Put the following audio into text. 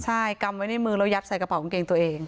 ใช่กำไว้ในมือแล้วยัดใส่กระเป๋ากางเกงตัวเอง